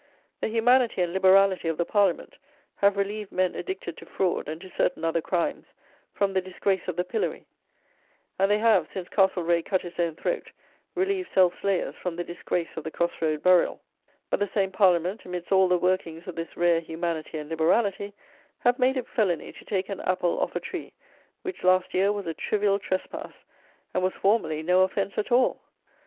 The "humanity and liberality" of the Parliament have relieved men addicted to fraud and to certain other crimes from the disgrace of the pillory, and they have, since Castlereagh cut his own throat, relieved self slayers from the disgrace of the cross road burial; but the same Parliament, amidst all the workings of this rare humanity and liberality, have made it felony to take an apple off a tree, which last year was a trivial trespass, and was formerly no offence at all!